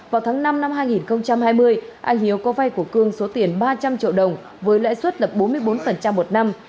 vào tháng năm năm hai nghìn hai mươi anh hiếu có vay của cương số tiền ba trăm linh triệu đồng với lãi suất lập bốn mươi bốn một năm